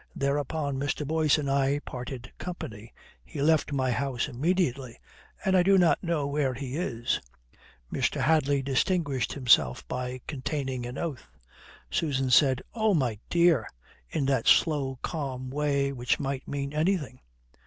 Thereupon Mr. Boyce and I parted company. He left my house immediately and I do not know where he is." Mr. Hadley distinguished himself by containing an oath. Susan said, "Oh, my dear," in that slow, calm way which might mean anything.